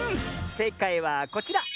せいかいはこちら！